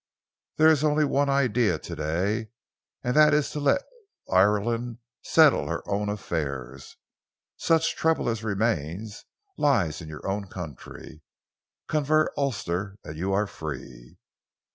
There is only one idea to day, and that is to let Ireland settle her own affairs. Such trouble as remains lies in your own country. Convert Ulster and you are free."